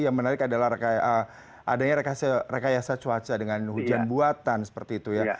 yang menarik adalah adanya rekayasa cuaca dengan hujan buatan seperti itu ya